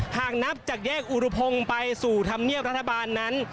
หากนับจากแยกอุรุพงศ์ไปสู่ธรรมเนียบรัฐบาลนั้น